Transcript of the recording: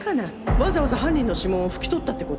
わざわざ犯人の指紋を拭き取ったってこと？